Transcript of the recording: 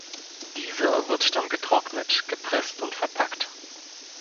Dieser wird dann getrocknet, gepresst und verpackt.